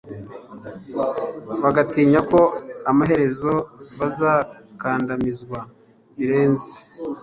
bagatinya ko amaherezo bazakandamizwa birenze